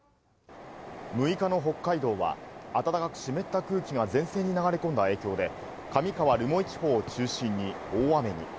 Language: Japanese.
６日の北海道は、暖かく湿った空気が前線に流れ込んだ影響で、上川・留萌地方を中心に大雨に。